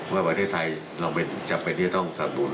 ว่าประเทศไทยเราจำเป็นที่จะต้องสับสนุน